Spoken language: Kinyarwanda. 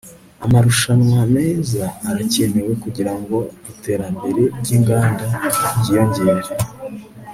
amarushanwa meza arakenewe kugirango iterambere ryinganda ryiyongere